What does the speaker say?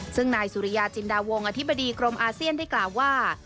ซึ่งนายสุริยาจินดาวงอธิบดีกรมอาเซียนได้กล่าวว่า